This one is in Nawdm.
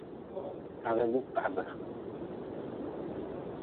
Hagjujkahbe.